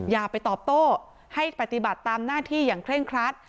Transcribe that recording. อย่าไปตอบโต้ให้ปฏิบัติตามหน้าที่อย่างเคร่งครัด